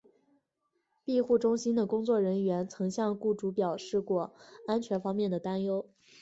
庇护中心的工作人员曾向雇主表示过安全方面的担忧。